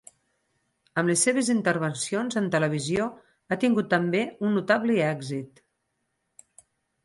Amb les seves intervencions en televisió ha tingut també un notable èxit.